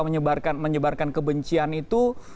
menyebarkan kebencian itu